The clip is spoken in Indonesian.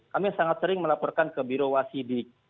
kami sangat sering melaporkan ke biro wasidik